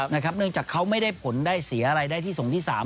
เนื่องจากเขาไม่ได้ผลได้เสียอะไรได้ที่ส่งที่๓